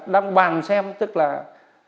đang bàn xem tức là khả thi đến đâu